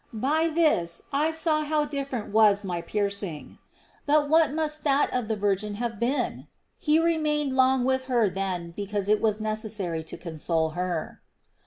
By this I saw how different was my piercing.^ But what must that of the "Virgin have been ? He remained long with her then because it was necessary to console her.